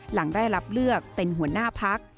หลังได้รับเลือกเป็นหัวหน้าพัก